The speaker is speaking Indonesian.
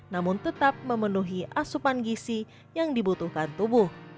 namun tetap memenuhi asupan gisi yang dibutuhkan tubuh